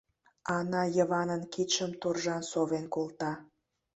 — Ана Йыванын кидшым торжан совен колта.